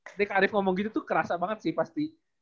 tadi kak arief ngomong gitu tuh kerasa banget sih pasti